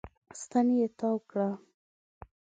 ستن يې تاو کړه.